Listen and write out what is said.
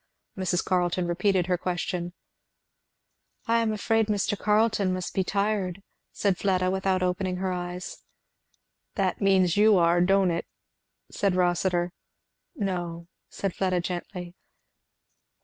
Mrs. Carleton repeated her question. "I am afraid Mr. Carleton must be tired," said Fleda, without opening her eyes. "That means that you are, don't it?" said Rossitur. "No," said Fleda gently.